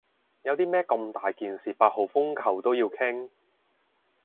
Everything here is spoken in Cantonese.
有啲咩咁大件事八號風球都要傾？